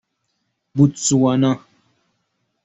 بوتسوانا